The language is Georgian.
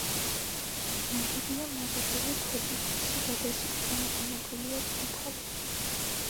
ნაგებია მოზრდილი ქვებით, შიგადაშიგ გამოყენებულია ფიქალი.